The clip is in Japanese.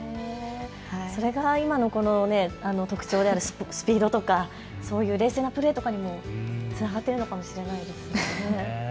それが今の特徴であるスピードとか、そういう冷静なプレーとかにもつながっているのかもしれないですよね。